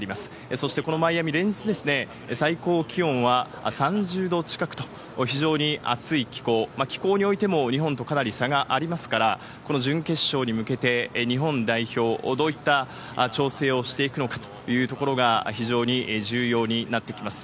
そして、このマイアミ、連日、最高気温は３０度近くと、非常に暑い気候、気候においても日本とかなり差がありますから、この準決勝に向けて、日本代表、どういった調整をしていくのかというところが非常に重要になってきます。